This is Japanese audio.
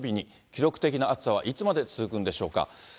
記録的な暑さはいつまで続くんでしょうか。